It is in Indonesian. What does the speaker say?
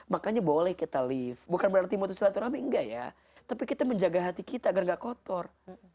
makanya boleh kita leave bukan berarti motosiklatur aming enggak ya tapi kita menjaga hati kita agar gak kotor